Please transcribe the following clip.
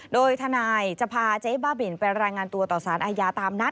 โดยทนายจะพาเจ๊บ้าบินไปรายงานตัวต่อสารอาญาตามนัด